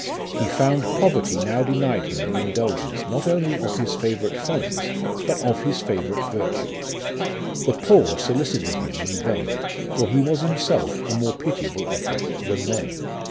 He found poverty now denied him the indulgence not only of his favourite follies, but of his favourite virtues. The poor solicited him in vain ; for he was himself a more pitiable object than they.